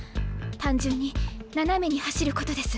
単純に斜めに走ることです。